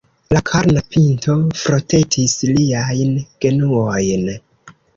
La karna pinto frotetis liajn genuojn.